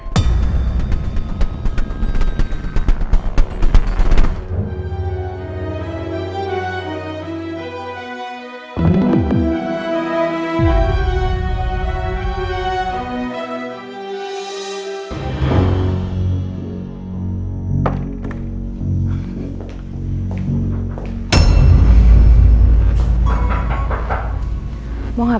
tidak tidak tidak